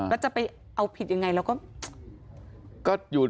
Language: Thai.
แล้วจะไปเอาผิดยังไงแล้วก็